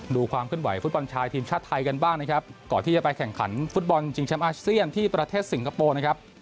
ความขึ้นไหวฟุตบอลชายทีมชาติไทยกันบ้างนะครับก่อนที่จะไปแข่งขันฟุตบอลชิงแชมป์อาเซียนที่ประเทศสิงคโปร์นะครับ